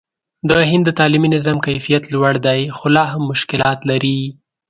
د هند د تعلیمي نظام کیفیت لوړ دی، خو لا هم مشکلات لري.